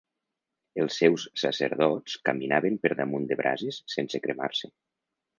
Els seus sacerdots caminaven per damunt de brases sense cremar-se.